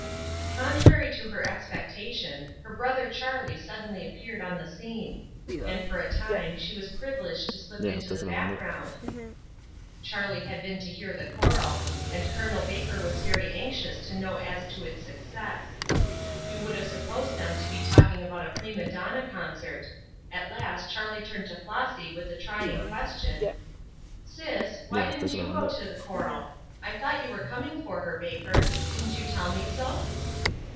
Contrary to her expectation, her brother Charlie suddenly appeared on the scene; and for a time she was privileged to slip into the background. Charlie had been to hear the choral, and Col. Baker was very anxious to know as to its success. You would have supposed them to be talking about a prima donna concert. At last Charlie turned to Flossy with the trying question: "Sis, why didn't you go to the choral? I thought you were coming for her, Baker. Didn't you tell me so?"